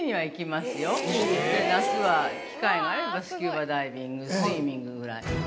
夏は機会があればスキューバダイビングスイミングぐらい。